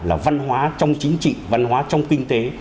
là văn hóa trong chính trị văn hóa trong kinh tế